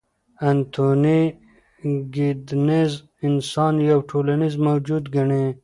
انتوني ګیدنز انسان یو ټولنیز موجود ګڼي.